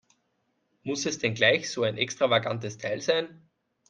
Muss es denn gleich so ein extravagantes Teil sein?